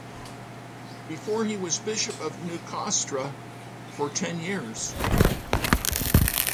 Before that he was Bishop of Nicosia for ten years.